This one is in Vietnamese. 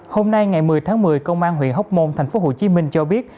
hôm nay ngày một mươi tháng một mươi công an huyện hóc môn thành phố hồ chí minh cho biết